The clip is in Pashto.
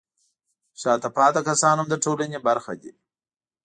شاته پاتې کسان هم د ټولنې برخه دي.